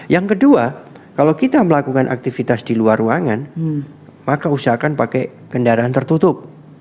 yang kedua kalau kita melakukan aktivitas di luar ruangan maka usahakan pakai kendaraan tertutup